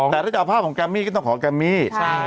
แต่ถ้าจะเอาภาพของแกมมี่ก็ต้องขอแกมมี่